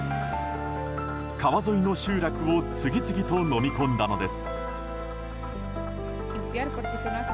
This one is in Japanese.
川沿いの集落を次々とのみ込んだのです。